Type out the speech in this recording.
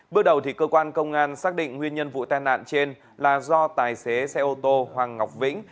bước đầu cơ quan công an xác định nguyên nhân vụ tai nạn trên là do tài xế xe ô tô hoàng ngọc vĩnh